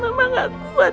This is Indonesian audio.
mama gak kuat